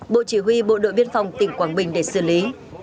bộ chỉ huy bộ đội biên phòng tỉnh quảng bình để xử lý